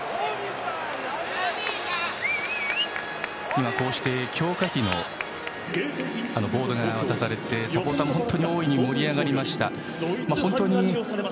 今、こうして強化費のボードが渡されましたがサポーターも本当に大いに盛り上がりました。